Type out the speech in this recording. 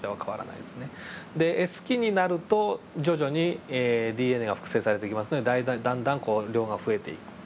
でＳ期になると徐々にＤＮＡが複製されてきますのでだんだんこう量が増えていく。